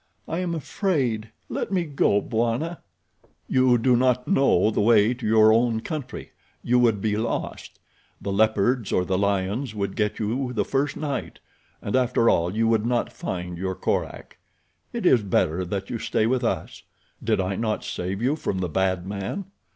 I am afraid. Let me go, Bwana." "You do not know the way to your own country. You would be lost. The leopards or the lions would get you the first night, and after all you would not find your Korak. It is better that you stay with us. Did I not save you from the bad man?